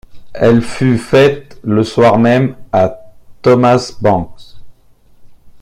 Elle fut faite le soir même à Thomas Banks.